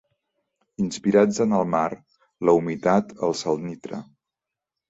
Inspirats en el mar, la humitat el salnitre.